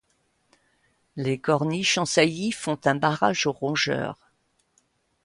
Les corniches en saillie font un barrage aux rongeurs.